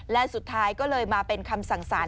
และสุดท้ายก็เลยมาเป็นคำสั่งสาร